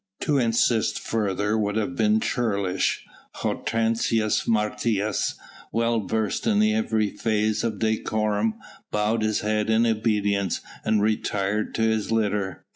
To insist further would have been churlish. Hortensius Martius, well versed in every phase of decorum, bowed his head in obedience and retired to his litter.